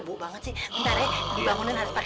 pokoknya raun mau puasa aja sih lo gimana sih